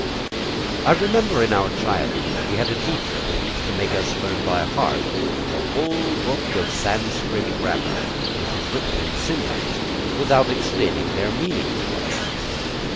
I remember in our childhood we had a teacher who used to make us learn by heart the whole book of Sanskrit grammer, which is written in symbols, without explaining their meaning to us.